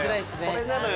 これなのよ